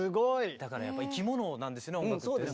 だからやっぱり生き物なんですね音楽ってね。